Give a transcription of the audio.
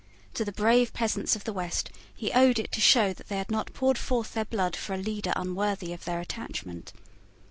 To the brave peasants of the West he owed it to show that they had not poured forth their blood for a leader unworthy of their attachment.